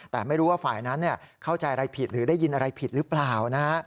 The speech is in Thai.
แต่ไม่รู้ว่าฝ่ายนั้นเข้าใจอะไรผิดหรือได้ยินอะไรผิดหรือเปล่านะฮะ